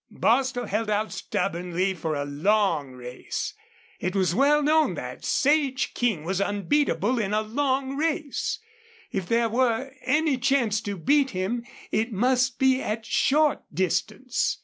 Bostil held out stubbornly for a long race. It was well known that Sage King was unbeatable in a long race. If there were any chance to beat him it must be at short distance.